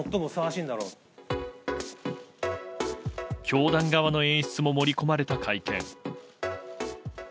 教団側の演出も盛り込まれた会見。